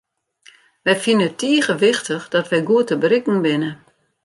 Wy fine it tige wichtich dat wy goed te berikken binne.